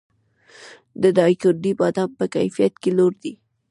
د دایکنډي بادام په کیفیت کې لوړ دي